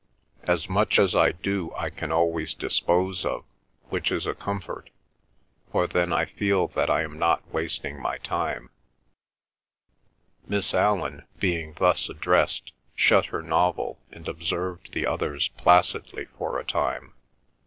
"As much as I do I can always dispose of, which is a comfort, for then I feel that I am not wasting my time—" Miss Allan, being thus addressed, shut her novel and observed the others placidly for a time.